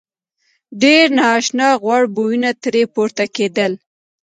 ډېر نا آشنا غوړ بویونه ترې پورته کېدل.